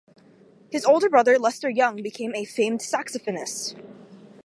His older brother Lester Young became a famed saxophonist.